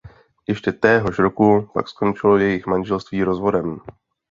Ještě téhož roku pak skončilo jejich manželství rozvodem.